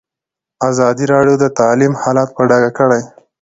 ازادي راډیو د تعلیم حالت په ډاګه کړی.